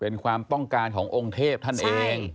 เป็นความต้องการขององค์เทพท่านเอง